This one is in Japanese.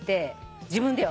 自分でよ。